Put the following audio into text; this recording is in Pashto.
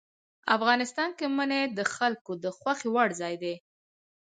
افغانستان کې منی د خلکو د خوښې وړ ځای دی.